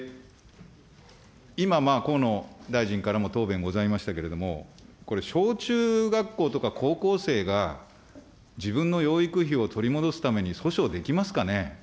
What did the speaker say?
今、河野大臣からも答弁ございましたけれども、これ、小中学校とか高校生が、自分の養育費を取り戻すために訴訟できますかね。